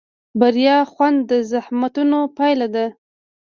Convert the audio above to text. د بریا خوند د زحمتونو پایله ده.